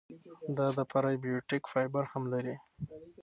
دا د پری بیوټیک فایبر هم لري.